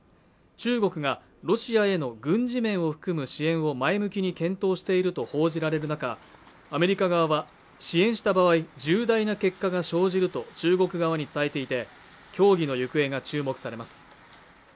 中国がロシアへの軍事面を含む支援を前向きに検討していると報じられる中アメリカ側は支援した場合重大な結果が生じると中国側に伝えていて協議の行方が注目されます